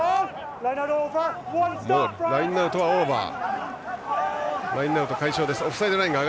ラインアウトはオーバー。